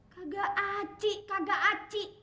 kagak aja kagak aja